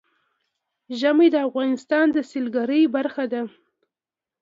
ژمی د افغانستان د سیلګرۍ برخه ده.